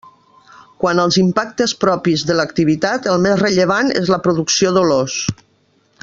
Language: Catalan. Quant als impactes propis de l'activitat, el més rellevant és la producció d'olors.